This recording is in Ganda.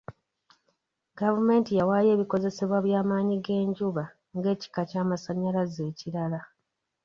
Gavumenti yawaayo ebikozesebwa by'amaanyi g'enjuba nga ekika ky'amasanyalaze ekirala.